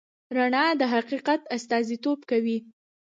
رڼا د حقیقت استازیتوب کوي.